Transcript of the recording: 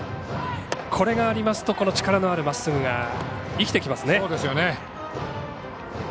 これがありますと力のあるまっすぐが生きてきますね。